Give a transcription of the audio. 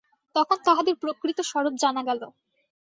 তখন তাহাদের প্রকৃত স্বরূপ জানা গেল।